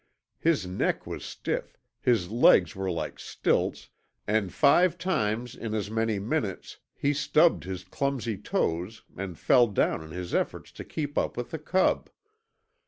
His neck was stiff, his legs were like stilts, and five times in as many minutes he stubbed his clumsy toes and fell down in his efforts to keep up with the cub.